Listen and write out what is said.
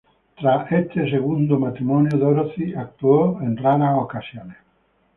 Tras este segundo matrimonio, Dorothy actuó en raras ocasiones.